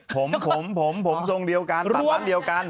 ผมผมผมผมตรงเดียวกันตราบร้านเดียวกัน